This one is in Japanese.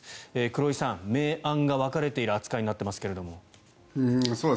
黒井さん、明暗が分かれている扱いになっていますが。